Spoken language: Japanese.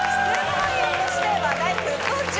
俳優として話題沸騰中！